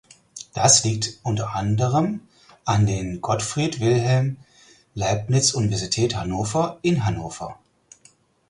Das liegt unter anderem an den Gottfried Wilhelm Leibniz Universität Hannover in Hannover.